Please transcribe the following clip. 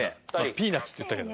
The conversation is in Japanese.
ピーナツって言ったけど。